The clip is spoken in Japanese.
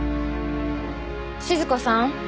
静子さん。